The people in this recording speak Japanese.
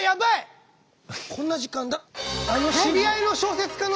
こんな時間だ。